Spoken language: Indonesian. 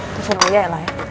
itu phone nya ya lah ya